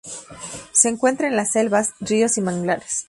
Se encuentra en las selvas, ríos y manglares.